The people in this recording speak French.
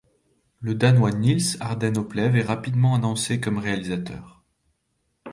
Le Danois Niels Arden Oplev est rapidement annoncé comme réalisateur.